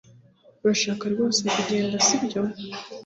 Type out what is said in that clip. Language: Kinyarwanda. Urashaka rwose kugenda sibyo